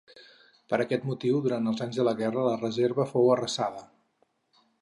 Per aquest motiu, durant els anys de la guerra la reserva fou arrasada.